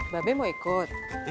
babe mau ikut